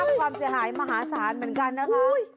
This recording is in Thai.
ภาพความจะหายมาหาศาลเป็นกันนะคะ